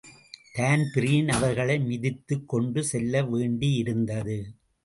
Dan Breen அவர்களை மிதித்துக் கொண்டு செல்ல வேண்டியிருந்தது.